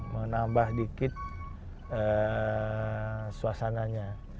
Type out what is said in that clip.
mau nambah dikit suasananya